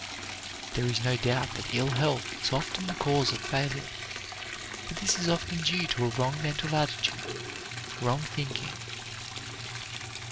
There is no doubt that ill health is often the cause of failure, but this is often due to a wrong mental attitude, wrong thinking.